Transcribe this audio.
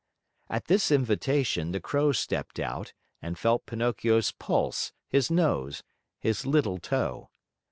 At this invitation, the Crow stepped out and felt Pinocchio's pulse, his nose, his little toe.